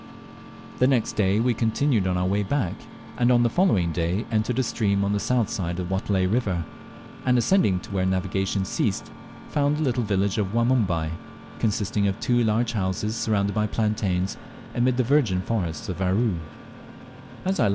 The next day we continued our way back, and on the following day entered a stream on the south side of the Watelai river, and ascending to where navigation ceased found the little village of Wanumbai, consisting of two large houses surrounded by plantations, amid the virgin forests of Aru.